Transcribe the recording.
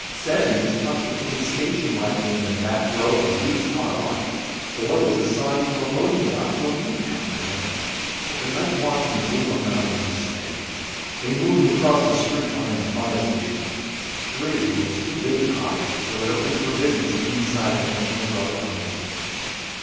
Seven was tucked between station wagons in the back row of a used car lot. Four was assigned the loading dock of a meat packing plant, but the night watchman wouldn't allow them to stay. They moved across the street behind a fire station. Three was too big to hide, so it opened for business inside the National Guard Armory.